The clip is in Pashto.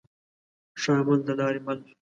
ښه عمل دلاري مل